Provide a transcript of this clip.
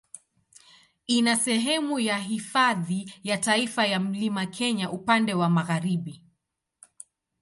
Ina sehemu ya Hifadhi ya Taifa ya Mlima Kenya upande wa magharibi.